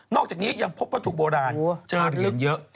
อกจากนี้ยังพบวัตถุโบราณเจอเหรียญเยอะ